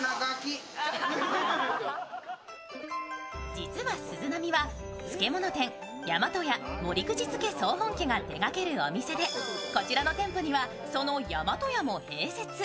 実は鈴波は漬物店大和屋守口漬総本家が手がけるお店で、こちらの店舗にはその大和屋も併設。